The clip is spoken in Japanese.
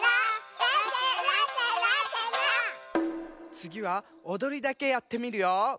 つぎはおどりだけやってみるよ！